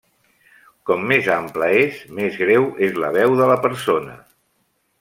Com més ampla és, més greu és la veu de la persona.